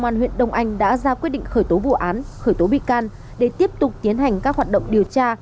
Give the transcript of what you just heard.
công an huyện đông anh đã ra quyết định khởi tố vụ án khởi tố bị can để tiếp tục tiến hành các hoạt động điều tra